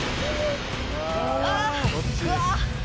ああうわ。